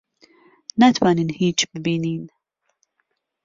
ناتوانین هیچ ببینین.